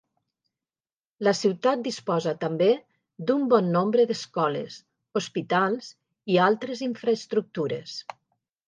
La ciutat disposa també d'un bon nombre d'escoles, hospitals i altres infraestructures.